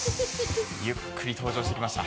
ゆっくり登場してきました。